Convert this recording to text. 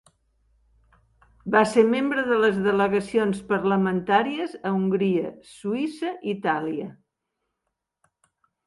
Va ser membre de les delegacions parlamentàries a Hongria, Suïssa i Itàlia.